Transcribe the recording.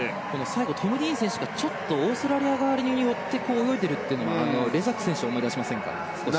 最後トム・ディーン選手がオーストラリア側に寄って泳いでいるというのはレザック選手を思い出しませんか？